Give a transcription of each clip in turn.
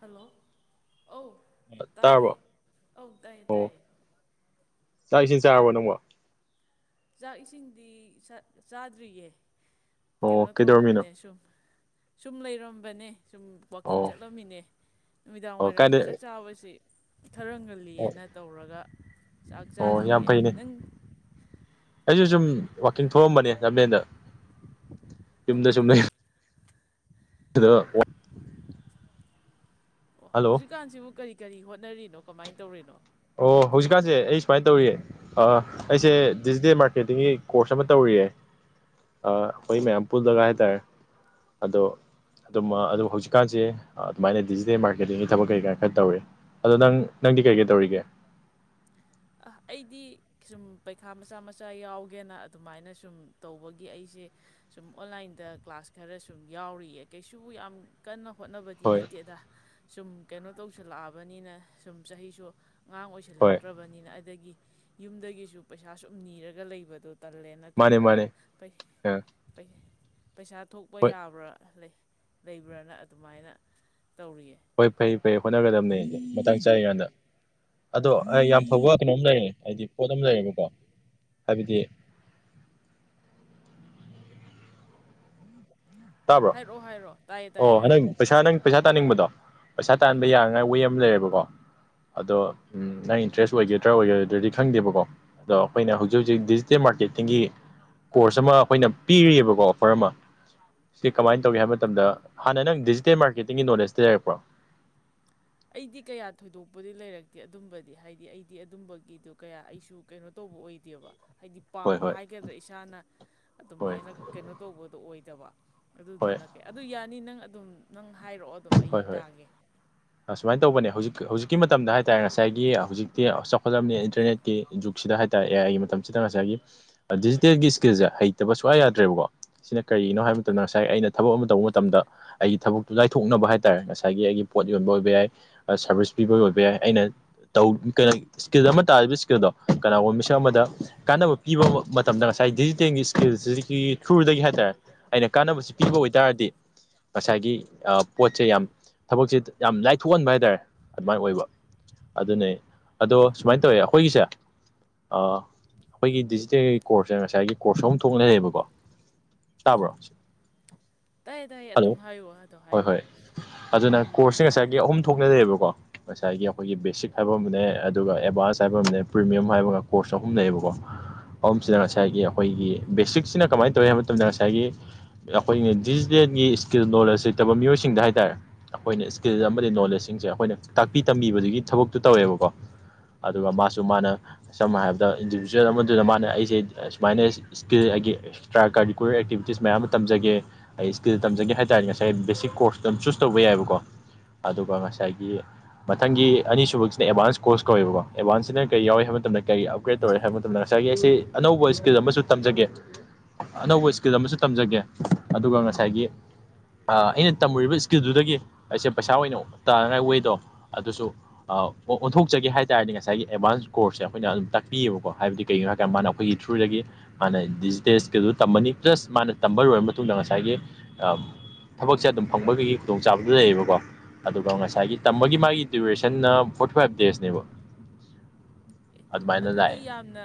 Hello ꯑꯧ ꯇꯥꯏꯌꯦ ꯇꯥꯔꯕꯣ ꯑꯧ ꯇꯥꯏꯌꯦ ꯑꯣ ꯇꯥꯏꯌꯦ ꯆꯥꯛ ꯏꯁꯤꯡ ꯆꯥꯔꯕꯣ ꯅꯪꯕ ꯆꯥꯛ ꯏꯁꯤꯡꯗꯤ ꯆꯥꯗ꯭ꯔꯤꯌꯦ ꯑꯣ ꯀꯩꯅꯣ ꯀꯩꯗꯧꯔꯝꯃꯤꯅꯣ ꯇꯧꯔꯝꯕꯅꯦ ꯁꯨꯝ ꯁꯨꯝ ꯂꯩꯔꯝ ꯃꯅꯦ ꯁꯨꯝ ꯋꯥꯛꯀꯤꯡ ꯑꯣ ꯆꯠꯂꯝꯃꯤꯅꯦ ꯅꯨꯃꯤꯗꯥꯡ ꯑꯣ ꯋꯥꯏꯔꯝꯒꯤ ꯆꯥꯛ ꯀꯥꯏꯗ ꯆꯥꯕꯁꯤ ꯑꯣ ꯊꯔꯝꯒꯜꯂꯤꯑꯅ ꯇꯧꯔꯒ ꯆꯥꯛ ꯑꯣ ꯌꯥꯝ ꯆꯥꯗ꯭ꯔꯤꯌꯦ ꯐꯩꯅꯦ ꯅꯪ ꯑꯩꯁꯨ ꯁꯨꯝ ꯋꯥꯛꯀꯤꯡ ꯊꯧꯔꯝꯕꯅꯦ ꯂꯝꯖꯦꯟꯗ ꯌꯨꯝꯗ ꯁꯨꯝ ꯂꯩ ꯑꯣ ꯍꯜꯂꯣ ꯍꯧꯖꯤꯛꯀꯥꯟꯁꯤꯕꯨ ꯀꯔꯤ ꯀꯔꯤ ꯍꯣꯠꯅꯔꯤꯅꯣ ꯅꯣ ꯀꯃꯥꯏꯅ ꯇꯧꯔꯤꯅꯣ ꯑꯣ ꯍꯧꯖꯤꯛꯀꯥꯟꯁꯦ ꯑꯩ ꯁꯨꯃꯥꯏꯅ ꯇꯧꯔꯤꯌꯦ ꯑꯩꯁꯦ ꯗꯤꯖꯤꯇꯦꯜ ꯃꯥꯔꯀꯦꯇꯤꯡꯒꯤ ꯀꯣꯔꯁ ꯑꯃ ꯇꯧꯔꯤꯌꯦ ꯑꯩꯈꯣꯏ ꯃꯌꯥꯝ ꯄꯨꯜꯂꯒ ꯍꯥꯏꯇꯥꯔꯦ ꯑꯗꯣ ꯑꯗꯨꯝꯃ ꯑꯗꯣ ꯍꯧꯖꯤꯛꯀꯥꯟꯁꯦ ꯑꯗꯨꯃꯥꯏꯅ ꯗꯤꯖꯤꯇꯦꯜ ꯃꯥꯔꯀꯦꯇꯤꯡꯒꯤ ꯊꯕꯛ ꯀꯩ ꯀꯥ ꯈꯔ ꯇꯧꯔꯤ ꯑꯗꯣ ꯅꯪ ꯅꯪꯗꯤ ꯀꯩ ꯀꯩ ꯇꯧꯔꯤꯒꯦ ꯑ ꯑꯩꯗꯤ ꯁꯨꯝ ꯄꯩꯈꯥ ꯃꯆꯥ ꯃꯆꯥ ꯌꯥꯎꯒꯦꯅ ꯑꯗꯨꯃꯥꯏꯅ ꯁꯨꯝ ꯇꯧꯕꯒꯤ ꯑꯩꯁꯦ ꯁꯨꯝ ꯑꯣꯟꯂꯥꯏꯟꯗ ꯀ꯭ꯂꯥꯁ ꯈꯔ ꯁꯨꯝ ꯌꯥꯎꯔꯤꯌꯦ ꯀꯩꯁꯨ ꯌꯥꯝ ꯀꯟꯅ ꯍꯣꯠꯅꯕꯗꯤ ꯍꯣꯏ ꯅꯠꯇꯦꯗ [inaudible] ꯑꯉꯥꯡ ꯍꯣꯏ ꯑꯣꯏꯁꯤꯜꯂꯛꯇ꯭ꯔꯕꯅꯤ ꯑꯗꯒꯤ ꯌꯨꯝꯗꯒꯤꯁꯨ ꯄꯩꯁꯥ ꯁꯨꯝ ꯅꯤꯔꯒ ꯂꯩꯕꯗꯣ ꯇꯜꯂꯦꯅ ꯃꯥꯅꯦ ꯃꯥꯅꯦ ꯇꯧꯔꯒ ꯑ ꯄꯩꯁꯥ ꯊꯣꯛꯄ ꯍꯣꯏ ꯌꯥꯕ꯭ꯔꯥ ꯂꯩ ꯂꯩꯕ꯭ꯔꯅ ꯑꯗꯨꯃꯥꯏꯅ ꯇꯧꯔꯤꯌꯦ ꯍꯣꯏ ꯐꯩ ꯐꯩ ꯍꯣꯠꯅꯒꯗꯕꯅꯤ ꯃꯇꯥꯡ ꯆꯥꯔꯤꯀꯥꯟꯗ ꯑꯗꯣ ꯑꯩ ꯌꯥꯝ ꯐꯕ ꯋꯥ ꯀꯩꯅꯣꯝ ꯂꯩꯔꯦ ꯍꯥꯏꯗꯤ ꯄꯣꯠ ꯑꯃ ꯂꯩꯔꯦꯕꯀꯣ ꯍꯥꯏꯕꯗꯤ ꯇꯥꯕ꯭ꯔꯣ ꯍꯥꯏꯔꯛꯑꯣ ꯍꯥꯏꯔꯛꯑꯣ ꯇꯥꯏꯌꯦ ꯇꯥꯏꯌꯦ ꯑꯣ ꯍꯥꯏꯔꯛꯑꯣ ꯅꯪ ꯄꯩꯁꯥ ꯅꯪ ꯄꯩꯁꯥ ꯇꯥꯟꯅꯤꯡꯕꯗꯣ ꯄꯩꯁꯥ ꯇꯥꯟꯕ ꯌꯥꯅꯉꯥꯏ ꯋꯦ ꯑꯃ ꯂꯩꯔꯦꯕꯀꯣ ꯑꯗꯣ ꯅꯪ ꯏꯟꯇ꯭ꯔꯦꯁ ꯑꯣꯏꯒꯗ꯭ꯔꯥ ꯑꯣꯏꯔꯣꯏꯗ꯭ꯔꯗꯤ ꯈꯪꯗꯦꯕꯀꯣ ꯑꯗꯣ ꯑꯩꯈꯣꯏꯅ ꯍꯧꯖꯤꯛ ꯍꯧꯖꯤꯛ ꯗꯤꯖꯤꯇꯦꯜ ꯃꯥꯔꯀꯦꯠꯇꯤꯡꯒꯤ ꯀꯣꯔꯁ ꯑꯃ ꯑꯩꯈꯣꯏꯅ ꯄꯤꯔꯤꯕꯀꯣ ꯑꯣꯐꯔ ꯑꯃ ꯁꯤ ꯀꯃꯥꯏꯅ ꯇꯧꯒꯦ ꯍꯥꯏꯕ ꯃꯇꯝꯗ ꯍꯥꯟꯅ ꯅꯪ ꯗꯤꯖꯤꯇꯦꯜ ꯃꯥꯔꯀꯦꯇꯤꯡꯒꯤ ꯅꯣꯂꯦꯖꯇꯤ ꯂꯩꯔꯛꯄ꯭ꯔꯣ ꯑꯩꯗꯤ ꯀꯌꯥ ꯊꯣꯏꯗꯣꯛꯄꯗꯤ ꯂꯩꯔꯛꯇꯦ ꯑꯗꯨꯝꯕꯗꯤ ꯍꯥꯏꯗꯤ ꯑꯩꯗꯤ ꯑꯗꯨꯝꯕꯒꯤꯗꯣ ꯀꯌꯥ ꯑꯩꯁꯨ ꯀꯩꯅꯣ ꯇꯧꯕ ꯑꯣꯏꯗꯦꯕ ꯍꯥꯏꯗꯤ ꯍꯣꯏ ꯄꯥꯝꯕ ꯍꯣꯏ ꯍꯥꯏꯒꯗ꯭ꯔꯥ ꯏꯁꯥꯅ ꯍꯣꯏ ꯑꯗꯨꯃꯥꯏꯅ ꯀꯩꯅꯣ ꯇꯧꯕꯗꯣ ꯑꯣꯏꯗꯕ ꯍꯣꯏ ꯑꯗꯨꯗꯨꯅ ꯑꯗꯨ ꯌꯥꯅꯤ ꯅꯪ ꯑꯗꯨꯝ ꯅꯪ ꯍꯥꯏꯔꯛꯑꯣ ꯑꯗꯨꯝ ꯑꯩ ꯇꯥꯒꯦ ꯑꯁꯨꯃꯥꯏꯅ ꯇꯧꯕꯅꯦ ꯍꯧꯖꯤꯛ ꯍꯧꯖꯤꯛꯀꯤ ꯃꯇꯝꯗ ꯍꯥꯏ ꯇꯥꯔꯦ ꯉꯁꯥꯏꯒꯤ ꯍꯧꯖꯤꯛꯇꯤ ꯆꯥꯎꯈꯠꯂꯕꯅꯤ ꯏꯟꯇꯔꯅꯦꯠꯀꯤ ꯖꯨꯛꯁꯤꯗ ꯍꯥꯏ ꯇꯥꯔꯦ ꯑꯦꯑꯥꯏꯒꯤ ꯃꯇꯝꯁꯤꯗ ꯉꯁꯥꯏꯒꯤ ꯗꯤꯖꯤꯇꯦꯜꯒꯤ ꯏꯁꯀꯤꯜꯁꯦ ꯍꯩꯇꯕ ꯁꯨꯛꯌꯥ ꯌꯥꯗ꯭ꯔꯦꯕꯀꯣ ꯁꯤꯅ ꯀꯔꯤꯒꯤꯅꯣ ꯍꯥꯏꯕ ꯃꯇꯝꯗ ꯉꯁꯥꯏ ꯑꯩꯅ ꯊꯕꯛ ꯑꯃ ꯇꯧꯕ ꯃꯇꯝꯗ ꯑꯩꯒꯤ ꯊꯕꯛꯇꯨ ꯂꯥꯏꯊꯣꯛꯅꯕ ꯍꯥꯏ ꯍꯥꯏ ꯇꯔꯦ ꯉꯁꯥꯏꯒꯤ ꯑꯩꯒꯤ ꯄꯣꯠ ꯌꯣꯟꯕ ꯑꯣꯏꯕ ꯌꯥꯏ ꯁꯥꯔꯚꯤꯁ ꯄꯤꯕ ꯑꯣꯏꯕ ꯌꯥꯏ ꯑꯩꯅ ꯇꯧ ꯏꯁꯀꯤꯜ ꯑꯃ ꯇꯥꯜꯂꯕ ꯏꯁꯀꯤꯜꯗꯣ ꯀꯅꯥꯒꯨꯝꯕ ꯃꯤꯁꯛ ꯑꯃꯗ ꯀꯥꯟꯅꯕ ꯄꯤꯕ ꯃꯇꯝꯗ ꯉꯁꯥꯏ ꯗꯤꯖꯤꯇꯦꯜꯒꯤ ꯏꯁꯀꯤꯜꯁꯤꯒꯤ ꯊ꯭ꯔꯨꯗꯒꯤ ꯍꯥꯏꯇꯥꯔꯦ ꯑꯩꯅ ꯀꯥꯟꯅꯕꯁꯤ ꯄꯤꯕ ꯑꯣꯏꯇꯥꯥꯔꯗꯤ ꯉꯁꯥꯏꯒꯤ ꯄꯣꯠꯁꯦ ꯌꯥꯝ ꯊꯕꯛꯁꯦ ꯌꯥꯝ ꯂꯥꯏꯊꯣꯛꯍꯟꯕ ꯍꯥꯏꯇꯥꯔꯦ ꯑꯗꯨꯃꯥꯏꯅ ꯑꯣꯏꯕ ꯑꯗꯨꯅꯤ ꯑꯗꯣ ꯁꯨꯃꯥꯏꯅ ꯇꯧꯋꯦ ꯑꯩꯈꯣꯏꯒꯤꯁꯦ ꯑꯩꯈꯣꯏꯒꯤ ꯗꯤꯖꯤꯇꯦꯜꯒꯤ ꯀꯣꯔꯁꯁꯦ ꯉꯁꯥꯏꯒꯤ ꯀꯣꯔꯁ ꯑꯍꯨꯝ ꯊꯣꯛꯅ ꯂꯩꯌꯦꯕꯀꯣ ꯇꯥꯕ꯭ꯔꯣ ꯇꯥꯏ ꯇꯥꯏ ꯑꯗꯨꯝ ꯍꯜꯂꯣ ꯑꯗꯨꯝ ꯍꯥꯏ ꯑꯗꯨꯝ ꯍꯥꯏ ꯍꯣꯏ ꯍꯣꯏ ꯑꯗꯨꯅ ꯀꯣꯔꯁꯁꯦ ꯉꯁꯥꯏꯒꯤ ꯑꯍꯨꯝ ꯊꯣꯛꯅ ꯂꯩꯌꯦꯕꯀꯣ ꯉꯁꯥꯏꯒꯤ ꯑꯩꯈꯣꯏꯒꯤ ꯕꯦꯁꯤꯛ ꯍꯥꯏꯕ ꯑꯃꯅꯦ ꯑꯗꯨꯒ ꯑꯦꯗꯚꯥꯟꯁ ꯍꯥꯏꯕ ꯑꯃꯅꯦ ꯄ꯭ꯔꯤꯃꯤꯌꯝ ꯍꯥꯏꯕꯒ ꯀꯣꯔꯁ ꯑꯍꯨꯝ ꯂꯩꯌꯦꯕꯀꯣ ꯑꯍꯨꯝꯁꯤꯗ ꯉꯁꯥꯏꯒꯤ ꯑꯩꯈꯣꯏꯒꯤ ꯕꯦꯁꯤꯛꯁꯤꯅ ꯀꯃꯥꯏꯅ ꯇꯧꯏ ꯍꯥꯏꯕ ꯃꯇꯝꯗ ꯉꯁꯥꯏꯒꯤ ꯑꯩꯈꯣꯏꯒꯤ ꯗꯤꯖꯤꯇꯦꯜꯒꯤ ꯏꯁꯀꯤꯜ ꯅꯣꯂꯦꯖ ꯂꯩꯇꯕ ꯃꯤꯑꯣꯏꯁꯤꯡ ꯁꯤꯡꯗ ꯍꯥꯏꯇꯥꯥꯔꯦ ꯑꯩꯈꯣꯏꯅ ꯏꯁꯀꯤꯜ ꯑꯃꯗꯤ ꯅꯣꯂꯦꯖꯁꯤꯡꯁꯦ ꯑꯩꯈꯣꯏꯅ ꯇꯥꯛꯄꯤ ꯇꯝꯕꯤꯕꯗꯨꯒꯤ ꯊꯕꯛꯇꯨ ꯇꯧꯋꯦꯕꯀꯣ ꯑꯗꯨꯒ ꯃꯥꯁꯨ ꯃꯥꯅ ꯁꯝꯅ ꯍꯥꯏꯔꯕꯗ ꯏꯟꯗꯤꯕꯤꯖꯨꯋꯦꯜ ꯑꯃꯗꯨꯗ ꯃꯥꯅ ꯑꯩꯁꯦ ꯁꯨꯃꯥꯏꯅ ꯏꯁꯀꯤꯜ ꯑꯩꯒꯤ ꯑꯦꯛꯁꯇ꯭ꯔꯥ ꯀꯥꯔꯤꯀꯨꯂꯔ ꯑꯦꯛꯇꯤꯕꯤꯇꯤꯁ ꯃꯌꯥꯝ ꯑꯃ ꯇꯝꯖꯒꯦ ꯑꯩ ꯏꯁꯀꯤꯜ ꯇꯝꯖꯒꯦ ꯍꯥꯏ ꯇꯥꯔꯗꯤ ꯉꯁꯥꯏ ꯕꯦꯁꯤꯛ ꯀꯣꯔꯁ ꯑꯗꯨꯝ ꯆꯨꯁ ꯇꯧꯕ ꯌꯥꯏꯕꯀꯣ ꯑꯗꯨꯒ ꯉꯁꯥꯏꯒꯤ ꯃꯊꯪꯒꯤ ꯑꯅꯤꯁꯨꯕꯒꯤꯁꯤꯅ ꯑꯦꯗꯚꯥꯟꯁ ꯀꯣꯔꯁ ꯀꯧꯋꯦꯕꯀꯣ ꯑꯦꯗꯚꯥꯟꯁꯁꯤꯅ ꯀꯔꯤ ꯌꯥꯎꯋꯏ ꯍꯥꯏꯕ ꯃꯇꯝꯗ ꯀꯔꯤ ꯑꯞꯒ꯭ꯔꯦꯗ ꯇꯧꯔꯦ ꯍꯥꯏꯕ ꯃꯇꯝꯗ ꯉꯁꯥꯏꯒꯤ ꯑꯩꯁꯦ ꯑꯅꯧꯕ ꯏꯁꯀꯤꯜ ꯑꯃꯁꯨ ꯇꯝꯖꯒꯦ ꯑꯅꯧꯕ ꯏꯁꯀꯤꯜ ꯑꯃꯁꯨ ꯇꯝꯖꯒꯦ ꯑꯗꯨꯒ ꯉꯁꯥꯏꯒꯤ ꯑꯩꯅ ꯇꯝꯃꯨꯔꯤꯕ ꯏꯁ꯭ꯀꯤꯜꯗꯨꯗꯒꯤ ꯑꯩꯁꯦ ꯄꯩꯁꯥ ꯑꯣꯏꯅ ꯇꯥꯅꯉꯥꯏ ꯋꯦꯗꯣ ꯑꯗꯨꯁꯨ ꯑꯣꯟꯊꯣꯛꯆꯒꯦ ꯍꯥꯏ ꯇꯥꯔꯗꯤ ꯉꯁꯥꯏꯒꯤ ꯑꯦꯗꯚꯥꯟꯁ ꯀꯣꯔꯁꯁꯦ ꯑꯩꯈꯣꯏꯅ ꯑꯗꯨꯝ ꯇꯥꯛꯄꯤꯌꯦꯕꯀꯣ ꯍꯥꯏꯕꯗꯤ ꯀꯩꯒꯤꯅꯣ ꯍꯥꯏꯀꯥꯟꯗ ꯃꯥꯅ ꯑꯩꯈꯣꯏꯒꯤ ꯊ꯭ꯔꯨꯗꯒꯤ ꯃꯥꯅ ꯗꯤꯖꯤꯇꯦꯜ ꯏꯁꯀꯤꯜꯗꯨ ꯇꯝꯃꯅꯤ ꯄ꯭ꯂꯁ ꯃꯥꯅ ꯇꯝꯕ ꯂꯣꯏꯔꯕ ꯃꯇꯨꯡꯗ ꯉꯁꯥꯏꯒꯤ ꯊꯕꯛꯁꯦ ꯑꯗꯨꯝ ꯐꯪꯕꯒꯤ ꯈꯨꯗꯣꯡꯆꯥꯕꯖꯨ ꯂꯩꯌꯦꯕꯀꯣ ꯑꯗꯨꯒ ꯉꯁꯥꯏꯒꯤ ꯇꯝꯕꯒꯤ ꯃꯥꯒꯤ ꯗ꯭ꯌꯨꯔꯦꯁꯟꯅ ꯐꯣꯔꯇꯤ ꯐꯥꯏꯚ ꯗꯦꯖꯅꯦꯕ ꯑꯦ ꯑꯗꯨꯃꯥꯏꯅ ꯑꯗꯨꯗꯤ ꯂꯥꯛꯑꯦ ꯌꯥꯝꯅ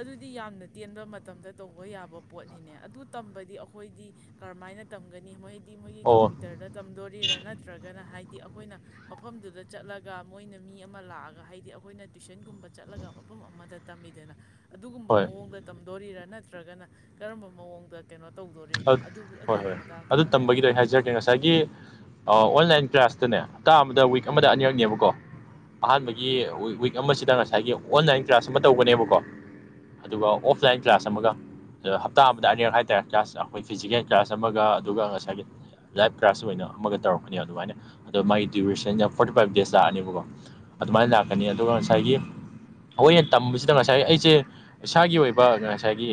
ꯑꯗꯨꯗꯤ ꯌꯥꯝꯅ ꯇꯦꯟꯕ ꯃꯇꯝ ꯃꯇꯝꯗ ꯇꯧꯕ ꯌꯥꯕ ꯄꯣꯠꯅꯤꯅꯦ ꯑꯗꯨ ꯇꯝꯕꯗꯤ ꯑꯩꯈꯣꯏꯗꯤ ꯀꯔꯝꯍꯥꯏꯅ ꯇꯝꯒꯅꯤ ꯃꯣꯏ ꯃꯣꯏꯒꯤ ꯑꯣ ꯀꯝꯄ꯭ꯌꯨꯇꯔꯗ ꯇꯝꯗꯣꯔꯤꯔꯥ ꯅꯠꯇ꯭ꯔꯒꯅ ꯍꯥꯏ ꯍꯥꯏꯗꯤ ꯑꯩꯈꯣꯏꯅ ꯃꯐꯝꯗꯨꯗ ꯆꯠꯂꯒ ꯃꯣꯏꯅ ꯃꯤ ꯑꯃ ꯂꯥꯛꯑꯒ ꯍꯥꯏꯗꯤ ꯑꯩꯈꯣꯏꯅ ꯇꯨꯏꯁꯟꯒꯨꯝꯕ ꯆꯠꯂꯒ ꯃꯐꯝ ꯑꯃꯗ ꯇꯝꯃꯤꯗꯅ ꯑꯗꯨꯒꯨꯝꯕ ꯍꯣꯏ ꯃꯑꯣꯡꯗ ꯇꯝ ꯗꯣꯔꯤꯔꯥ ꯅꯠꯇ꯭ꯔꯒꯅ ꯀꯔꯝꯕ ꯃꯑꯣꯡꯗ ꯀꯩꯅꯣ ꯇꯧꯗꯣꯔꯤꯅꯣ ꯍꯣꯏ ꯑꯗꯨ ꯑꯗꯨꯒꯤ ꯍꯣꯏ ꯑꯗꯨ ꯃꯇꯥꯡꯗꯨꯒ ꯍꯥꯏꯔꯣꯅꯦ ꯇꯝꯕꯒꯤꯗꯣ ꯑꯩ ꯍꯥꯏꯖꯔꯛꯀꯦ ꯉꯁꯥꯏꯒꯤ ꯑꯣꯟꯂꯥꯏꯟ ꯀ꯭ꯂꯥꯁꯇꯅꯦ ꯍꯞꯇꯥ ꯑꯃꯗ ꯋꯤꯛ ꯑꯃꯗ ꯑꯅꯤꯔꯛꯅꯦꯕꯀꯣ ꯑꯍꯥꯟꯕꯒꯤ ꯋꯤꯛ ꯑꯃꯁꯤꯗ ꯉꯁꯥꯏꯒꯤ ꯑꯣꯟꯂꯥꯏꯟꯒꯤ ꯀ꯭ꯂꯥꯁ ꯑꯃ ꯇꯧꯒꯤꯕꯅꯦꯀꯣ ꯑꯗꯨꯒ ꯑꯣꯐꯂꯥꯏꯟ ꯀ꯭ꯂꯥꯁ ꯑꯃꯒ ꯑ ꯍꯞꯇꯥ ꯑꯃꯗ ꯑꯅꯤꯔꯛ ꯍꯥꯏꯇꯥꯔꯦ ꯀ꯭ꯂꯥꯁ ꯑꯩꯈꯣꯏ ꯐꯤꯖꯤꯀꯦꯜ ꯀ꯭ꯂꯥꯁ ꯑꯃꯒ ꯑꯗꯨꯒ ꯉꯁꯥꯏꯒꯤ ꯂꯥꯏꯐ ꯀ꯭ꯂꯥꯁ ꯑꯣꯏꯅ ꯑꯃꯒ ꯇꯧꯔꯛꯀꯅꯤ ꯑꯗꯨꯃꯥꯏꯅ ꯑꯗꯣ ꯃꯥꯒꯤ ꯗ꯭ꯌꯨꯔꯦꯁꯟꯁ ꯐꯣꯔꯇꯤ ꯐꯥꯏꯚ ꯗꯦꯖ ꯂꯥꯛꯑꯅꯦꯕꯀꯣ ꯑꯗꯨꯃꯥꯏꯅ ꯂꯥꯛꯀꯅꯤ ꯑꯗꯨꯒ ꯉꯁꯥꯏꯒꯤ ꯑꯩꯈꯣꯏꯅ ꯇꯝꯕꯁꯤꯗ ꯉꯁꯥꯏꯒꯤ ꯑꯩꯁꯦ ꯏꯁꯥꯒꯤ ꯑꯣꯏꯕ ꯉꯁꯥꯏꯒꯤ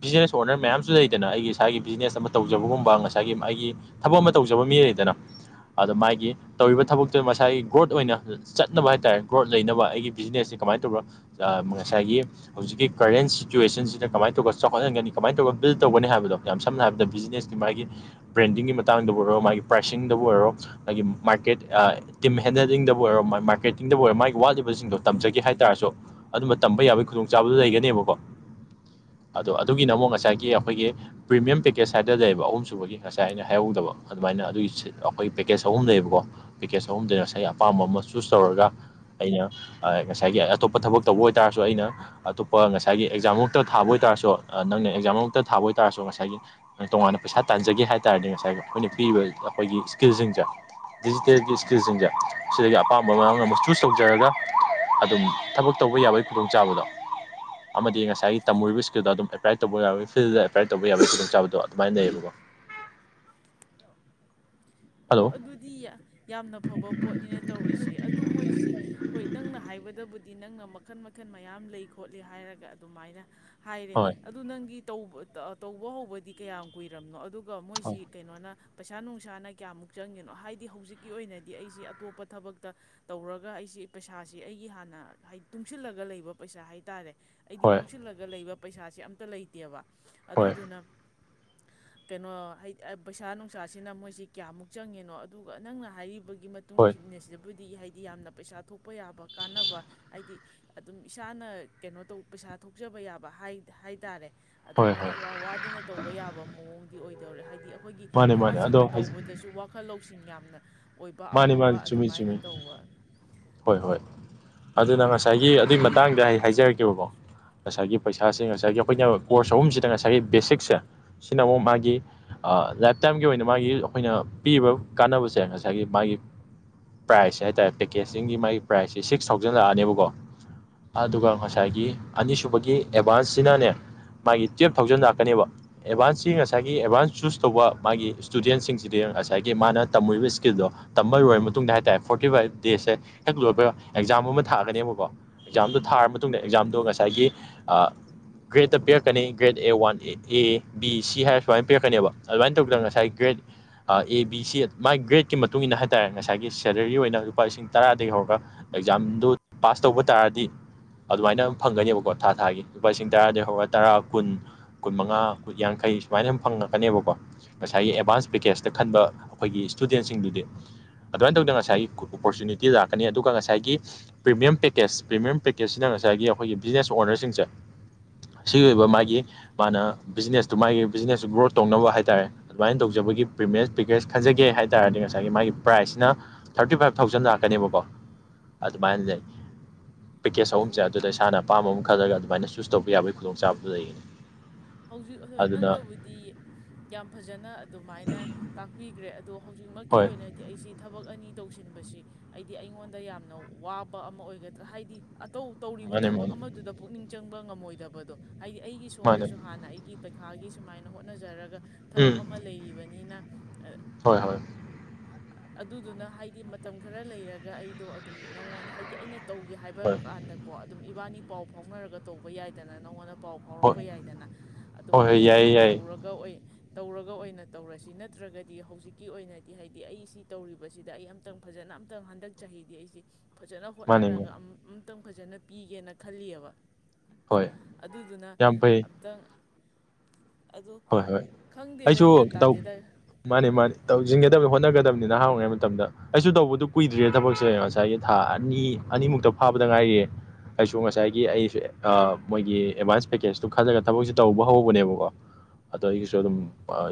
ꯕꯤꯖꯤꯅꯦꯁ ꯑꯣꯅꯔ ꯃꯌꯥꯝꯁꯨ ꯂꯩꯗꯅ ꯑꯩꯒꯤ ꯉꯁꯥꯏꯒꯤ ꯕꯤꯖꯤꯅꯦꯁ ꯑꯃ ꯇꯧꯖꯕꯒꯨꯝꯕ ꯉꯁꯥꯏꯒꯤ ꯑꯩꯒꯤ ꯊꯕꯛ ꯑꯃ ꯇꯧꯖꯕ ꯃꯤ ꯂꯩꯗꯅ ꯑꯗꯣ ꯃꯥꯒꯤ ꯇꯧꯔꯤꯕ ꯊꯕꯛꯇꯨꯗ ꯃꯁꯥꯏꯒꯤ ꯒ꯭ꯔꯣꯠ ꯑꯣꯏꯅ ꯆꯠꯅꯕ ꯍꯥꯏꯇꯥꯔꯦ ꯒ꯭ꯔꯣꯠ ꯂꯩꯅꯕ ꯑꯩꯒꯤ ꯕꯤꯖꯤꯅꯦꯁꯁꯤ ꯀꯃꯥꯏꯅ ꯇꯧꯔ ꯉꯁꯥꯏꯒꯤ ꯍꯧꯖꯤꯛꯀꯤ ꯀꯔꯦꯟ ꯁꯤꯆꯨꯋꯦꯁꯟꯁꯤꯗ ꯀꯃꯥꯏꯅ ꯇꯧꯔꯒ ꯆꯥꯎꯈꯠꯍꯟꯒꯅꯤ ꯀꯃꯥꯏꯅ ꯇꯧꯔ ꯕꯤꯜ ꯇꯧꯒꯅꯤ ꯍꯥꯏꯕꯗꯣ ꯌꯥꯝ ꯁꯝꯅ ꯍꯥꯏꯔꯕꯗ ꯕꯤꯖꯤꯅꯦꯁꯀꯤ ꯃꯥꯒꯤ ꯕ꯭ꯔꯦꯟꯗꯤꯡꯒꯤ ꯃꯇꯥꯡꯗꯕꯨ ꯑꯣꯏꯔꯣ ꯃꯥꯒꯤ ꯄ꯭ꯔꯥꯏꯁꯤꯡꯗꯕꯨ ꯑꯣꯏꯔꯣ ꯃꯥꯒꯤ ꯃꯥꯔꯀꯦꯠ ꯇꯤꯝ ꯍꯦꯟꯗꯜꯂꯤꯡꯗꯕꯨ ꯑꯣꯏꯔꯣ ꯃꯥꯒꯤ ꯃꯥꯔꯀꯦꯇꯤꯡꯗꯕꯨ ꯑꯣꯏꯔꯣ ꯃꯥꯒꯤ ꯋꯥꯠꯂꯤꯕꯁꯤꯡꯗꯣ ꯇꯝꯖꯒꯦ ꯍꯥꯏ ꯇꯔꯁꯨ ꯑꯗꯨꯝꯕ ꯇꯝꯕ ꯌꯥꯕꯒꯤ ꯈꯨꯗꯣꯡꯆꯥꯕꯗꯨꯣ ꯂꯩꯒꯅꯦꯕꯀꯣ ꯑꯗꯣ ꯑꯗꯨꯒꯤꯅ ꯑꯃꯨꯛ ꯉꯁꯥꯏꯒꯤ ꯑꯩꯈꯣꯏꯒꯤ ꯄ꯭ꯔꯤꯃꯤꯌꯝ ꯄꯦꯀꯦꯖ ꯍꯥꯏꯇꯥꯔ ꯂꯩꯌꯦꯕ ꯑꯍꯨꯝꯁꯨꯨꯕꯒꯤ ꯉꯁꯥꯏ ꯑꯩꯅ ꯍꯥꯏꯍꯧꯗꯕ ꯑꯗꯨꯃꯥꯏꯅ ꯑꯗꯨꯒꯤ ꯑꯩꯈꯣꯏ ꯄꯦꯛꯀꯦꯖ ꯑꯍꯨꯝ ꯂꯩꯕꯀꯣ ꯄꯦꯛꯀꯦꯖ ꯑꯍꯨꯝꯗꯨ ꯉꯁꯥꯏꯒꯤ ꯑꯄꯥꯝꯕ ꯑꯃ ꯆꯨꯁ ꯇꯧꯔꯒ ꯑꯩꯅ ꯉꯁꯥꯏꯒꯤ ꯑꯇꯣꯞꯄ ꯊꯕꯛ ꯇꯧꯕ ꯑꯣꯏꯇꯥꯥꯔꯁꯨ ꯑꯩꯅ ꯑꯇꯣꯞꯄ ꯉꯁꯥꯏꯒꯤ ꯑꯦꯛꯖꯥꯝꯃꯛꯇ ꯊꯥꯕ ꯑꯣꯏꯇꯥꯔꯁꯨ ꯅꯪꯅ ꯑꯦꯛꯖꯥꯝꯃꯨꯇ ꯊꯥꯕ ꯑꯣꯏꯇꯥꯔꯁꯨ ꯉꯁꯥꯏ ꯉꯁꯥꯏꯒꯤ ꯇꯣꯉꯥꯟꯅ ꯄꯩꯁꯥ ꯇꯥꯟꯖꯒꯦ ꯍꯥꯏ ꯇꯥꯔꯗꯤ ꯉꯁꯥꯏꯒꯤ ꯑꯩꯈꯣꯏꯅ ꯄꯤꯔꯤꯕ ꯑꯩꯈꯣꯏꯒꯤ ꯏꯁꯀꯤꯜꯁꯤꯡꯁꯦ ꯗꯤꯖꯤꯇꯦꯜꯒꯤ ꯏꯁꯀꯤꯜꯁꯤꯡꯁꯦ ꯁꯤꯗꯒꯤ ꯑꯄꯥꯝꯕ ꯃꯔꯝ ꯑꯃꯨꯛ ꯆꯨꯁ ꯇꯧꯖꯔꯒ ꯑꯗꯨꯝ ꯊꯕꯛ ꯇꯧꯕ ꯌꯥꯕꯒꯤ ꯈꯨꯗꯣꯡꯆꯥꯕꯗꯣ ꯑꯃꯗꯤ ꯉꯁꯥꯏꯒꯤ ꯇꯝꯃꯨꯔꯤꯕ ꯏꯁꯀꯤꯜꯗꯣ ꯑꯗꯨꯝ ꯑꯦꯄ꯭ꯂꯥꯏ ꯇꯧꯕ ꯌꯥꯕꯒꯤ ꯐꯤꯜꯗ ꯑꯦꯄ꯭ꯂꯥꯏ ꯇꯧꯕ ꯌꯥꯕꯒꯤ ꯈꯨꯗꯣꯡ ꯆꯥꯕꯗꯣ ꯑꯗꯨꯃꯥꯏꯅ ꯂꯩꯌꯦꯕꯀꯣ ꯍꯜꯂꯣ ꯑꯣ ꯑꯗꯨꯗꯤ ꯌꯥꯝꯅ ꯐꯕ ꯄꯣꯠꯅꯤꯅ ꯇꯧꯔꯤꯁꯦ ꯑꯗꯨ ꯃꯣꯏꯁꯤ ꯍꯣꯏ ꯅꯪꯅ ꯍꯥꯏꯕꯗꯕꯨꯗꯤ ꯗꯤ ꯅꯪꯅ ꯃꯈꯜ ꯃꯈꯜ ꯃꯌꯥꯝ ꯂꯩ ꯈꯣꯠꯂꯤ ꯍꯥꯏꯔꯒ ꯑꯗꯨꯃꯥꯏꯅ ꯍꯥꯏꯔꯦ ꯍꯣꯏ ꯑꯗꯨ ꯅꯪꯒꯤ ꯇꯧꯕ ꯍꯧꯕꯗꯤ ꯀꯌꯥꯝ ꯀꯨꯏꯔꯝꯅꯣ꯫ ꯍꯣꯏ ꯃꯣꯏꯁꯤ ꯀꯩꯅꯣꯅ꯫ ꯄꯩꯁꯥ ꯅꯨꯡꯁꯥꯅ꯫ ꯀꯌꯥꯃꯨꯛ ꯆꯪꯒꯦꯅꯣ ꯍꯥꯏꯗꯤ ꯍꯧꯖꯤꯛꯀꯤ ꯑꯣꯏꯅꯗꯤ ꯑꯩꯁꯤ ꯑꯇꯣꯞꯄ ꯊꯕꯛꯇ ꯇꯧꯔꯒ ꯑꯩꯁꯤ ꯄꯩꯁꯥꯁꯤ ꯑꯩꯒꯤ ꯍꯥꯟꯅ ꯍꯥꯏꯗꯤ ꯇꯨꯡꯁꯤꯜꯂꯒ ꯂꯩꯕ ꯄꯩꯁꯥ ꯍꯥꯏꯇꯥꯔꯦ꯫ ꯑꯩꯒꯤ ꯍꯣꯏ ꯇꯨꯡꯁꯤꯜꯂꯒ ꯂꯩꯕ꯫ ꯄꯩꯁꯥꯁꯦ ꯑꯝꯇ ꯂꯩꯇꯦꯕ꯫ ꯍꯣꯏ ꯑꯗꯨꯗꯨꯅ꯫ ꯀꯩꯅꯣꯍꯩ ꯄꯩꯁꯥ ꯅꯨꯡꯁꯥꯁꯤꯅ ꯃꯣꯏꯁꯤ꯫ ꯀꯌꯥꯃꯨꯛ ꯆꯪꯉꯦꯅꯣ ꯑꯗꯨꯒ ꯅꯪꯅ ꯍꯥꯏꯔꯤ꯫ ꯕꯒꯤ ꯃꯇꯨꯡ ꯍꯣꯏ ꯏꯅꯁ‌ꯦꯕꯨꯗ꯫ ꯗꯤ ꯍꯥꯏꯗꯤ ꯌꯥꯝꯅ ꯄꯩꯁꯥ ꯊꯣꯛꯄ ꯌꯥꯕ ꯀꯥꯟꯅꯕ ꯍꯥꯏꯗꯤ ꯑꯗꯨꯝ ꯏꯁꯥꯅ ꯀꯩꯅꯣ ꯇꯧ ꯄꯩꯁꯥ ꯊꯣꯛꯆꯕ ꯌꯥꯕ ꯍꯥꯏ ꯇꯔꯦ꯫ ꯍꯣꯏ ꯑꯗꯨꯃꯥꯏꯅ ꯍꯣꯏ ꯏꯋꯥ ꯋꯥꯗꯅ ꯇꯧꯕ ꯌꯥꯕ ꯃꯑꯣꯡ꯫ ꯑꯣꯏꯗꯧꯔꯦ ꯍꯥꯏꯗꯤ꯫ ꯑꯩꯈꯣꯏꯒꯤ ꯃꯥꯅꯦ ꯃꯥꯅꯦ ꯅꯍꯥꯁꯤꯡꯅ꯫ ꯑꯗꯣ ꯇꯧꯕꯗꯁꯨ ꯋꯥꯈꯜ ꯂꯧ꯫ ꯂꯧꯁꯤꯡ ꯌꯥꯝꯅ꯫ ꯑꯣꯏꯕ ꯃꯥꯅꯤ ꯑꯐꯕ ꯃꯥꯅꯤ ꯆꯨꯝꯃꯤ ꯑꯗꯨꯃꯥꯏꯅ ꯆꯨꯝꯃꯤ ꯇꯧꯕ꯫ ꯍꯣꯏ ꯍꯣꯏ ꯑꯗꯨꯅ ꯉꯁꯥꯏꯒꯤ ꯑꯗꯨꯏ ꯃꯇꯥꯡꯗ ꯑꯩ ꯍꯥꯏꯖꯔꯛꯀꯦꯕꯀꯣ ꯉꯁꯥꯏꯒꯤ ꯄꯩꯁꯥꯁꯦ ꯉꯁꯥꯏꯒꯤ ꯑꯩꯈꯣꯏꯅ ꯀꯣꯔꯁ ꯑꯍꯨꯝꯁꯤꯗ ꯉꯁꯥꯏꯒꯤ ꯕꯦꯁꯤꯛꯁꯦ ꯁꯤꯅ ꯑꯃꯨꯛ ꯃꯥꯒꯤ ꯂꯥꯏꯞꯇꯥꯏꯝꯒꯤ ꯑꯣꯏꯅ ꯃꯥꯒꯤ ꯑꯩꯈꯣꯏꯅ ꯄꯤꯕ ꯀꯥꯟꯅꯕꯁꯦ ꯉꯁꯥꯏꯒꯤ ꯃꯥꯒꯤ ꯄ꯭ꯔꯥꯏꯁꯁꯦ ꯍꯥꯏꯇꯥꯔꯦ ꯄ‌ꯦ꯫ ꯀꯦꯁꯁꯤꯡꯒꯤ ꯃꯥꯒꯤ ꯄ꯭ꯔꯥꯏꯁꯁꯤ ꯁꯤꯛꯁ ꯊꯥꯎꯖꯟ ꯂꯥꯛꯑꯅꯦꯕꯀꯣ ꯑꯗꯨꯒ ꯉꯁꯥꯏꯒꯤ ꯑꯅꯤꯁꯨꯕꯒꯤ ꯑꯦꯗꯚꯥꯟꯁꯁꯤꯅꯅꯦ ꯃꯥꯒꯤ ꯇꯨꯌꯦꯞ ꯊꯥꯎꯖꯟ ꯂꯥꯛꯀꯅꯦꯕ ꯑꯦꯗꯚꯥꯟꯁꯁꯤ ꯉꯁꯥꯏꯒꯤ ꯑꯦꯗꯚꯥꯟꯁ ꯆꯨꯁ ꯇꯧꯕ ꯃꯥꯒꯤ ꯁꯇꯨꯗꯦꯟꯁꯤꯡꯁꯤꯗꯤ ꯉꯁꯥꯏꯒꯤ ꯃꯥꯅ ꯇꯝꯃꯨꯔꯤꯕ ꯏꯁꯀꯤꯜꯗꯣ ꯇꯝꯃꯔꯣꯏꯔ ꯃꯇꯨꯡꯗ ꯍꯥꯏꯇꯥꯔꯦ ꯐꯣꯔꯇꯤ ꯐꯥꯏꯚ꯫ ꯗꯦꯁꯦ ꯍꯛꯇ ꯂꯣꯏꯄ ꯑꯦꯛꯖꯥꯝ ꯑꯃ ꯊꯥꯒꯅꯦꯕꯀꯣ ꯑꯦꯛꯖꯥꯝꯗꯣ ꯊꯥꯔ ꯃꯇꯨꯡꯗ ꯑꯦꯛꯖꯥꯝꯗꯣ ꯉꯁꯥꯏꯒꯤ ꯒ꯭ꯔꯦꯗꯠꯇ ꯄꯤꯔꯛꯀꯅꯤ grade A one A A B C ꯍꯥꯏꯔ ꯁꯨꯃꯥꯏꯅ ꯄꯤꯔꯛꯀꯅꯦꯕ ꯑꯗꯨꯃꯥꯏꯅ ꯇꯧꯗꯅ ꯉꯁꯥꯏ ꯒ꯭ꯔꯦꯗ ꯑꯦ ꯕꯤ ꯁꯤ ꯃꯥꯏ ꯒ꯭ꯔꯦꯠꯀꯤ ꯃꯇꯨꯡ ꯏꯟꯅ ꯍꯥꯏꯇꯥꯔꯦ ꯉꯁꯥꯏꯒꯤ ꯁꯦꯂꯔꯤ ꯑꯣꯏꯅ꯫ ꯂꯨꯄꯥ ꯂꯤꯁꯤꯡ ꯇꯔꯥꯗꯒꯤ ꯍꯧꯔꯒ ꯑꯦꯛꯖꯥꯝꯗꯨ ꯄꯥꯁ ꯇꯧꯕ ꯇꯥꯔꯗꯤ ꯑꯗꯨꯃꯥꯏꯅ ꯐꯪꯒꯅꯦꯕꯀꯣ ꯊꯥ ꯊꯥꯒꯤ ꯂꯨꯄꯥ ꯂꯤꯁꯤꯡ ꯇꯔꯥꯗꯒꯤ ꯍꯧꯔꯒ ꯇꯔꯥ ꯀꯨꯟ ꯀꯨꯟ ꯃꯉꯥ ꯀꯨꯟ ꯌꯥꯡꯈꯩ ꯁꯨꯃꯥꯏꯅ ꯐꯪꯉꯛꯀꯅꯦꯕꯀꯣ ꯉꯁꯥꯏꯒꯤ ꯑꯦꯗꯚꯥꯟꯁ ꯄꯦꯀꯦꯖꯇ ꯈꯟꯕ ꯑꯩꯈꯣꯏꯒꯤ ꯁ꯭ꯇꯨꯗꯦꯟꯁꯤꯡꯗꯨꯗꯤ ꯑꯗꯨꯃꯥꯏꯅ ꯇꯧꯗꯅ ꯉꯁꯥꯏꯒꯤ꯫ ꯑꯣꯄꯣꯔꯆꯨꯅꯤꯇꯤ ꯂꯥꯛꯀꯅꯤ ꯑꯗꯨꯒ ꯉꯁꯥꯏꯒꯤ ꯄ꯭ꯔꯤꯃꯤꯌꯝ ꯄꯦꯀꯦꯁ ꯄ꯭ꯔꯤꯃꯤꯌꯝ ꯄꯦꯀꯦꯖꯁꯤꯅ ꯉꯁꯥꯏꯒꯤ ꯑꯩꯈꯣꯏꯒꯤ ꯕꯤꯖꯤꯅꯦꯁ ꯑꯣꯅꯔꯁꯤꯡꯁꯦ ꯁꯤ ꯑꯣꯏꯕ ꯃꯥꯒꯤ ꯃꯥꯅ ꯕꯤꯖꯤꯅꯦꯁꯇꯨ ꯃꯥꯒꯤ ꯕꯤꯖꯤꯅꯦꯁꯇꯨ ꯒ꯭ꯔꯣꯠ ꯇꯧꯅꯕ ꯍꯥꯏꯇꯥꯥꯔꯦ ꯑꯗꯨꯃꯥꯏꯅ ꯇꯧꯖꯕꯒꯤ ꯄ꯭ꯔꯤꯃꯤꯌꯝ ꯄꯦꯀꯦꯁ ꯈꯟꯖꯒꯦ ꯍꯥꯏ ꯇꯥꯔꯗꯤ ꯉꯁꯥꯏꯒꯤ ꯃꯥꯒꯤ ꯄ꯭ꯔꯥꯏꯁꯁꯤꯅ ꯊꯥꯔꯇꯤ ꯐꯥꯏꯞ꯫ ꯊꯧꯖꯟ ꯂꯥꯛꯀꯅꯦꯕꯀꯣ ꯑꯗꯨꯃꯥꯏꯅ ꯂꯩ꯫ ꯄꯦꯀꯦꯖ ꯑꯍꯨꯝꯁꯦ ꯑꯣ ꯑꯗꯨꯗ ꯏꯁꯥꯅ ꯑꯄꯥꯝꯕ ꯑ꯫ ꯊꯥꯔꯒ ꯑꯗꯨꯃꯥꯏꯅ ꯆꯨꯁ ꯇꯧꯕ ꯌꯥꯕꯒꯤ ꯈꯨꯗꯣꯡꯆꯥꯕꯗꯨ ꯂꯩꯒꯅꯤ꯫ ꯍꯧꯖꯤꯛ ꯍꯥꯏ‌ ꯑꯗꯨꯅ ꯅꯪꯅꯕꯨꯗꯤ ꯌꯥꯝ ꯐꯖꯅ ꯑꯗꯨꯃꯥꯏꯅ ꯇꯥꯛꯄꯤꯈ꯭ꯔꯦ ꯑꯗꯣ ꯍꯧꯖꯤꯛ꯫ ꯍꯧꯖꯤꯛꯃꯛꯀꯤ ꯍꯣꯏ ꯑꯣꯏꯅꯗꯤ ꯑꯩꯁꯤ ꯊꯕꯛ ꯑꯅꯤ꯫ ꯇꯧꯁꯤꯟꯕꯁꯤ ꯍꯥꯏꯗꯤ ꯑꯩꯉꯣꯟꯗ ꯌꯥꯝꯅ ꯋꯥꯕ ꯑꯃ ꯑꯣꯏꯒꯗ꯭ꯔꯥ ꯍꯥꯏꯗꯤ꯫ ꯑꯇꯧ ꯇꯧꯔꯤꯕ ꯃꯥꯅꯦ ꯊꯕꯛ ꯃꯥꯅꯦ ꯑꯃꯗꯨꯗ ꯄꯨꯛꯅꯤꯡ꯫ ꯆꯪꯕ ꯉꯝꯃꯣꯏꯗꯕꯗꯣ꯫ ꯍꯥꯏꯗꯤ ꯑꯩꯒꯤ ꯃꯥꯅꯦ ꯁꯣꯝꯗꯁꯨ꯫ ꯑꯩꯒꯤ ꯄꯩꯈꯥꯒꯤ ꯁꯨꯃꯥꯏꯅ ꯍꯣꯠꯅꯖꯔꯒ꯫ ꯊꯕꯛ ꯎꯝ ꯑꯃ ꯂꯩꯔꯤꯕꯅꯤꯅ꯫ ꯍꯣꯏ ꯍꯣꯏ ꯑꯗꯨꯗꯨꯅ ꯍꯥꯏꯗꯤ ꯃꯇꯝ ꯈꯔ ꯂꯩꯔꯒ ꯑꯩꯗꯣ ꯑꯗꯨꯝ ꯅꯪꯉꯣꯟꯜ ꯍꯥꯏꯗꯤ ꯑꯩꯅ꯫ ꯇꯧꯒꯦ ꯍꯥꯏꯕ ꯍꯣꯏ ꯀꯥꯟꯗꯀꯣ ꯑꯗꯨꯝ꯫ ꯏꯕꯥꯅꯤ ꯄꯥꯎ ꯐꯥꯎꯅꯔꯒ ꯇꯧꯕ ꯌꯥꯏꯗꯅ ꯅꯪꯉꯣꯟꯗ ꯄꯥꯎ ꯍꯣꯏ ꯐꯥꯎꯔꯛꯄ ꯌꯥꯏꯗꯅ ꯍꯣꯏ ꯍꯣꯏ ꯑꯗꯨꯃꯥꯏꯅ ꯌꯥꯏꯌꯦ ꯌꯥꯏꯌꯦ ꯇꯧꯔꯒ ꯑꯣꯏ ꯇꯧꯔꯒ ꯑꯣꯏꯅ ꯇꯧꯔꯁꯤ ꯅꯠꯇ꯭ꯔꯒꯗꯤ ꯍꯧꯖꯤꯛꯀꯤ ꯑꯣꯏꯅꯗꯤ ꯍꯥꯏꯗꯤ ꯑꯩ ꯁꯤ ꯇꯧꯔꯤꯕꯁꯤꯗ ꯑꯩ ꯑꯝꯇꯪ ꯐꯖꯅ ꯑꯝꯇꯪ ꯍꯟꯗꯛ ꯆꯍꯤꯗꯤ ꯑꯩꯁꯦ ꯐꯖꯅ ꯃꯥꯅꯦ ꯃꯥꯅꯦ ꯍꯣꯠꯅꯔꯒ ꯃꯨ ꯃꯨ ꯃꯇꯝ ꯐꯖꯅ ꯄꯤꯒꯦꯅ ꯈꯜꯂꯤꯑꯕ ꯍꯣꯏ ꯑꯗꯨꯗꯨꯅ ꯌꯥꯝ ꯐꯩ ꯑꯗꯨ ꯍꯣꯏ ꯍꯣꯏ ꯈꯪꯗꯦꯗ ꯒ꯭ꯌꯥꯟ ꯑꯩꯁꯨꯇꯧ ꯇꯥꯗꯦꯗ ꯃꯥꯅꯤ ꯃꯥꯅꯤ ꯇꯧꯁꯦꯅ ꯍꯣꯠꯅꯒꯗꯕꯅꯤꯅꯍꯥꯡ ꯑꯣꯏꯉꯩ ꯃꯇꯝꯗ ꯑꯩꯁꯨ ꯇꯧꯕꯗꯨ ꯀꯨꯏꯗ꯭ꯔꯤ ꯊꯕꯛꯁꯦ ꯉꯁꯥꯏꯒꯤ ꯊꯥ ꯑꯅꯤ ꯑꯅꯤꯃꯨꯛꯇ ꯐꯥꯕꯗ ꯉꯥꯏꯔꯤꯌꯦ ꯑꯩꯁꯨ ꯉꯁꯥꯏꯒꯤ ꯑꯩꯁꯦ ꯃꯣꯏꯒꯤ ꯑꯦꯗꯚꯥꯟꯁ ꯄꯦꯀꯦꯖꯇꯣ ꯈꯜꯂꯒ ꯊꯕꯛꯁꯦ ꯇꯧꯕ ꯍꯧꯕꯅꯦꯕꯀꯣ ꯑꯗꯣ ꯑꯩꯒꯤꯁꯨ ꯑꯗꯨꯝ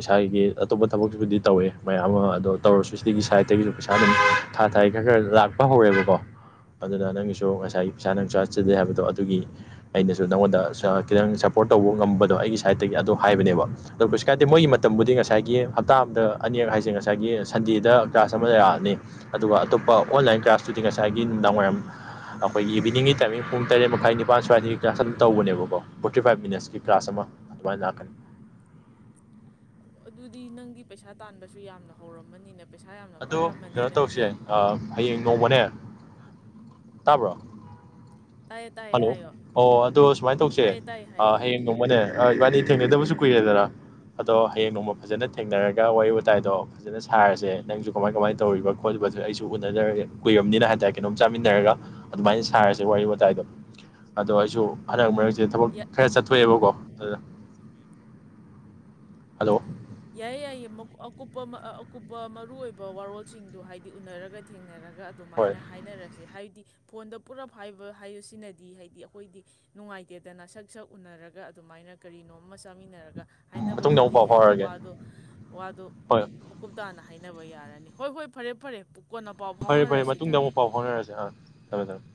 ꯏꯁꯥꯒꯤ ꯑꯇꯣꯞꯄ ꯊꯕꯛꯁꯤꯕꯨꯗꯤ ꯇꯧꯋꯦ ꯃꯌꯥꯝ ꯑꯃ ꯑꯗꯣ ꯇꯧꯔꯁꯨ ꯁꯤꯒꯤ ꯁꯥꯏꯠꯇꯒꯤꯁꯨ ꯄꯩꯁꯥ ꯑꯗꯨꯝ ꯊꯥ ꯊꯥꯏ ꯈꯔ ꯈꯔ ꯂꯥꯛꯄ ꯍꯧꯔꯦꯕꯀꯣ ꯑꯗꯨꯅ ꯅꯪꯒꯤꯁꯨ ꯉꯁꯥꯏꯒꯤ ꯄꯩꯁꯥ ꯅꯪ ꯆꯥꯠꯆꯗꯦ ꯍꯥꯏꯕꯗꯣ ꯑꯗꯨꯒꯤ ꯑꯩꯅꯁꯨ ꯅꯪꯉꯣꯟꯗ ꯈꯤꯇꯪ ꯁꯞꯄꯣꯔꯠ ꯇꯧꯕ ꯉꯝꯕꯗꯣ ꯑꯩꯒꯤ ꯁꯥꯏꯗꯠꯇꯒꯤ ꯑꯗꯣ ꯍꯥꯏꯕꯅꯦꯕ ꯑ ꯀꯩꯁꯨ ꯀꯥꯏꯗꯦ ꯃꯣꯏꯒꯤ ꯃꯇꯝꯕꯨꯗꯤ ꯉꯁꯥꯏꯒꯤ ꯍꯞꯇꯥ ꯑꯃꯗ ꯑꯅꯤꯔꯛ ꯍꯥꯏꯁꯦ ꯉꯁꯥꯏꯒꯤ ꯁꯟꯗꯦꯗ ꯀ꯭ꯂꯥꯁ ꯑꯃ ꯂꯩꯔꯛꯑꯅꯤ ꯑꯗꯨꯒ ꯑꯇꯣꯞꯄ ꯑꯣꯟꯂꯥꯏꯟ ꯀ꯭ꯂꯥꯁꯇꯨꯗꯤ ꯉꯁꯥꯏꯒꯤ ꯅꯨꯡꯗꯥꯡ ꯋꯥꯏꯔꯝ ꯑꯩꯈꯣꯏꯒꯤ ꯏꯚꯤꯅꯤꯡꯒꯤ ꯇꯥꯏꯃꯤꯡ ꯄꯨꯡ ꯇꯔꯦꯠ ꯃꯈꯥꯏ ꯅꯤꯄꯥꯥꯟ ꯁ꯭ꯋꯥꯏꯗꯒꯤ ꯀ꯭ꯂꯥꯁ ꯑꯗꯨꯝ ꯇꯧꯕꯅꯦꯕꯀꯣ ꯐꯣꯔꯇꯤ ꯐꯥꯏꯚ ꯃꯤꯅꯠꯁꯀꯤ ꯀ꯭ꯂꯥꯁ ꯑꯃ ꯑꯗꯨꯃꯥꯏꯅ ꯂꯥꯛꯀꯅꯤ ꯑꯗꯨꯗꯤ ꯅꯪꯗꯤ ꯄꯩꯁꯥ ꯇꯥꯟꯕꯁꯨ ꯌꯥꯝꯅ ꯍꯧꯔꯝꯃꯅꯤꯅꯦ ꯑꯗꯨ ꯀꯩꯅꯣ ꯇꯧꯁꯦ ꯍꯌꯦꯡ ꯅꯣꯡꯃꯅꯦ ꯇꯥꯕ꯭ꯔꯣ ꯇꯥꯏꯌꯦ ꯇꯥꯏꯌꯦ ꯍꯜꯂꯣ ꯍꯥꯏꯌꯣ ꯑꯣ ꯑꯗꯣ ꯁꯨꯃꯥꯏꯅ ꯇꯧꯁꯦ ꯇꯥꯏꯌꯦ ꯇꯥꯏꯌꯦ ꯍꯥꯏꯌꯣ ꯍꯌꯦꯡ ꯅꯣꯡꯃꯅꯦ ꯏꯕꯥꯅꯤ ꯊꯦꯡꯅꯗꯕꯁꯨ ꯀꯨꯏꯔꯦꯗꯅ ꯑꯗꯣ ꯍꯌꯦꯡ ꯅꯣꯡꯃ ꯐꯖꯅ ꯊꯦꯡꯅꯔꯒ ꯋꯥꯔꯤ ꯋꯥꯇꯥꯏꯗꯣ ꯐꯖꯅ ꯁꯥꯔꯁꯦ ꯅꯪꯁꯨ ꯀꯃꯥꯏ ꯀꯃꯥꯏꯅ ꯇꯧꯔꯤꯕ ꯈꯣꯠꯂꯤꯕꯗꯨ ꯑꯩꯁꯨ ꯎꯅꯔ ꯀꯨꯏꯔꯕꯅꯤꯅ ꯍꯥꯏꯇꯥꯔꯦ ꯀꯩꯅꯣꯝ ꯆꯥꯃꯤꯟꯅꯔꯒ ꯑꯗꯨꯃꯥꯏꯅ ꯁꯥꯔꯁꯦ ꯋꯥꯔꯤ ꯋꯥꯇꯥꯏꯗꯣ ꯑꯗꯣ ꯑꯩꯁꯨ ꯍꯟꯅꯛ ꯃꯔꯛ ꯁꯦ ꯊꯕꯛ ꯌꯥ- ꯈꯔ ꯆꯠꯊꯣꯛꯑꯦꯕꯀꯣ ꯊꯣꯏꯌ ꯍꯜꯂꯣ ꯌꯥꯏ ꯌꯥꯏꯌꯦ ꯑꯀꯨꯞꯄ ꯑꯀꯨꯞꯄ ꯃꯔꯨꯑꯣ ꯑꯣꯏꯕ ꯋꯥꯔꯣꯜꯁꯤꯡꯗꯨ ꯍꯥꯏꯗꯤ ꯎꯅꯔꯒ ꯊꯦꯡꯅꯔꯒ ꯒ ꯍꯣꯏ ꯑꯗꯨꯃꯥꯏꯅ ꯍꯥꯏꯅꯔꯁꯦ ꯍꯥꯏꯗꯤ ꯐꯣꯟꯗ ꯄꯨꯂꯞ ꯍꯥꯏꯕ ꯍꯥꯏꯕꯁꯤꯅꯗꯤ ꯍꯥꯏꯗꯤ ꯑꯩꯈꯣꯏꯗꯤ ꯅꯨꯡꯉꯥꯏꯇꯦꯗꯅ ꯁꯛ ꯁꯛ ꯎꯅꯔꯒ ꯑꯗꯨꯃꯥꯏꯅ ꯀꯔꯤꯅꯣꯝꯃ ꯆꯥꯃꯤꯟꯅꯔꯒ ꯃꯇꯨꯡꯗ ꯑꯃꯨꯛ ꯍꯥꯏꯅꯕꯗꯨꯗꯤ ꯄꯥꯎ ꯍꯦꯟꯅ ꯐꯥꯎꯔꯛꯑꯒꯦ ꯋꯥ ꯑꯗꯨ ꯋꯥꯗꯣ ꯍꯣꯏ ꯃꯀꯨꯞ ꯇꯥꯅ ꯍꯥꯏꯅꯕ ꯌꯥ ꯔꯅꯤ ꯍꯣꯏ ꯍꯣꯏ ꯐꯔꯦ ꯐꯔꯦ ꯀꯣꯟꯅ ꯄꯥꯎ ꯐꯔꯦ ꯐꯔꯦ ꯐꯥꯎꯅꯔꯁꯤ ꯃꯇꯨꯡꯗ ꯊꯝꯃꯦ ꯊꯝꯃꯦ ꯑꯃꯨꯛ ꯄꯥꯎ ꯐꯥꯎꯅꯔꯁꯦ ꯑꯥ ꯊꯝꯃꯦ ꯊꯝꯃꯦ